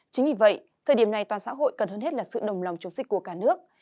chính vì vậy thời điểm này toàn xã hội cần hơn hết là sự đồng lòng chống dịch của cả nước